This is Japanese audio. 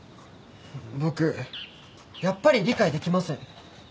僕やっぱり理解できません。